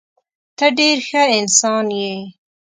ته ډېر ښه انسان یې.